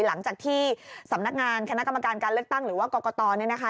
หลังจากที่สำนักงานคณะกรรมการการเลือกตั้งหรือว่ากรกตเนี่ยนะคะ